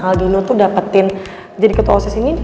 aldino tuh dapetin jadi ketua osis ini